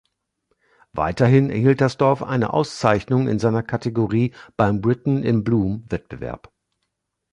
Weiterhin erhielt das Dorf eine Auszeichnung in seiner Kategorie beim Britain in Bloom-Wettbewerb.